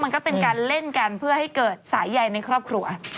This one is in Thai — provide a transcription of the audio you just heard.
มันก็เป็นการเล่นกันเพื่อให้เกิดสายใยในครอบครัว